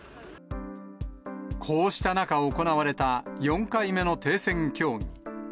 こうした中、行われた４回目の停戦協議。